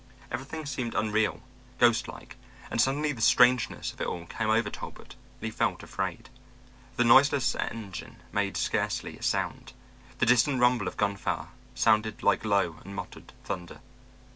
Everything seemed unreal, ghost like, and suddenly the strangeness of it all came over Talbot and he felt afraid. The noiseless engine made scarcely a sound; the distant rumble of gunfire sounded like low and muttering thunder.